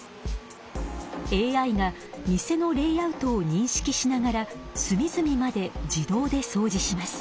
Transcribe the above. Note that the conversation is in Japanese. ＡＩが店のレイアウトを認識しながらすみずみまで自動でそうじします。